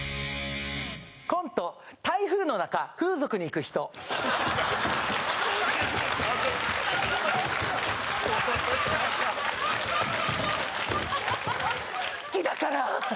コント台風の中風俗に行く人好きだから！